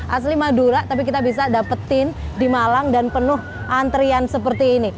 asli madura tapi kita bisa dapetin di malang dan penuh antrian seperti ini